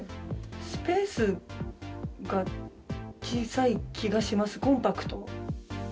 スペースが小さい気がします、コンパクト。